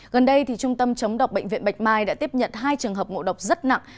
gần đây trung tâm chống độc bệnh viện bạch mai đã tiếp nhận hai trường hợp ngộ độc rất nặng